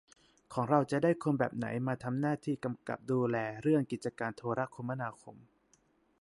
ของเราจะได้คนแบบไหนมาทำหน้าที่กำกับดูแลเรื่องกิจการโทรคมนาคม